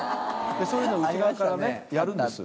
そういうのを内側からやるんです。